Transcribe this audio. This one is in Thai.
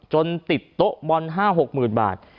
จนติดโต๊ะบอล๕๖หมื่นบาท